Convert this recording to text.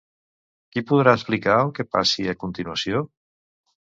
Qui podrà explicar el que passi a continuació?